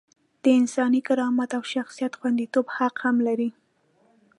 د انساني کرامت او شخصیت خونديتوب حق هم لري.